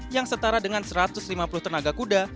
yang setara dengan satu ratus lima puluh tenaga kuda